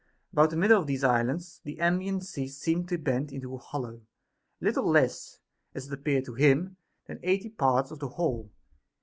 About the middle of these islands, the ambient sea seemed to bend into a hol low, a little less, as it appeared to him, than eight parts of the whole.